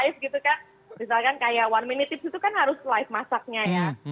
misalkan kayak one minute tips itu kan harus live masaknya ya